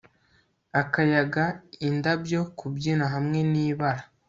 akayaga indabyo kubyina hamwe nibara